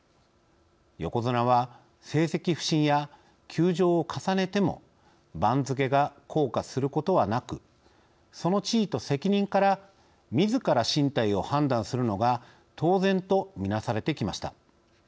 横綱は、成績不振や休場を重ねても番付が降下することはなくその地位と責任からみずから進退を判断するのが当然とみなされてきました。